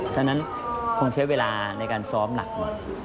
ฉะนั้นคงใช้เวลาในการซ้อมหนักหน่อย